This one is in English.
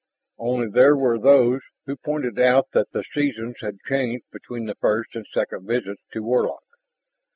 Only there were those who pointed out that the seasons had changed between the first and second visits to Warlock.